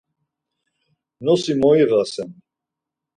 Nosi moyiǧasen.